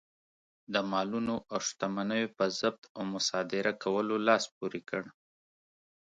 د مالونو او شتمنیو په ضبط او مصادره کولو لاس پورې کړ.